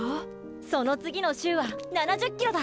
その次の週は７０ｋｍだ。